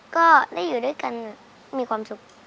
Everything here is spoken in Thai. ก็ได้อยู่ด้วยกันมีความสุข